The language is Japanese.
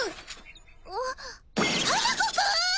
花子くん！